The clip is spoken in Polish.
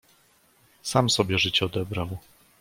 "Sam sobie życie odebrał."